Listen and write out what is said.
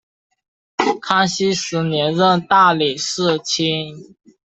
康熙十年任大理寺卿。